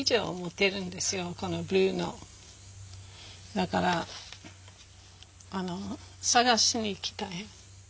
だから探しに行きたい。